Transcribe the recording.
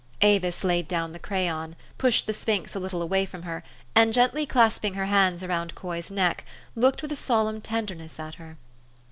Avis laid down the crayon, pushed the sphinx a little away from her, and, gently clasping her hands around Coy's neck, looked with a solemn tenderness at her.